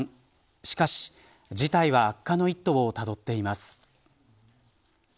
しかし、事態は悪化の一途をたどっています。